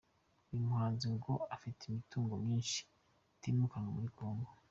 Uyu muhanzi ngo afite imitungo myinshi itimukanwa muri Congo.